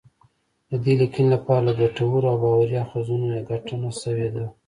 د دې لیکنی لپاره له ګټورو او باوري اخځونو ګټنه شوې ده